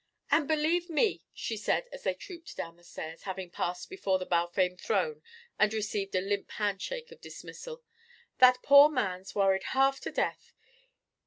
"And believe me," she said as they trooped down the stairs, having passed before the Balfame throne and received a limp handshake of dismissal, "that poor man's worried half to death.